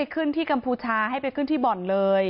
ขึ้นที่กัมพูชาให้ไปขึ้นที่บ่อนเลย